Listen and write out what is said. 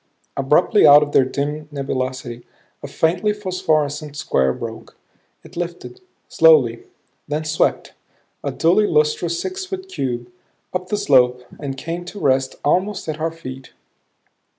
Abruptly out of their dim nebulosity a faintly phosphorescent square broke. It lifted, slowly; then swept, a dully lustrous six foot cube, up the slope and came to rest almost at our feet.